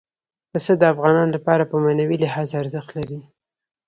پسه د افغانانو لپاره په معنوي لحاظ ارزښت لري.